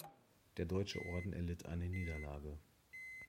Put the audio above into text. Der Deutsche Orden erlitt eine Niederlage.